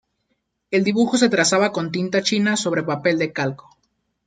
El dibujo se trazaba con tinta china sobre papel de calco.